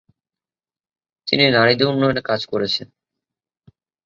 তিনি নারীদের উন্নয়নে কাজ করেছেন।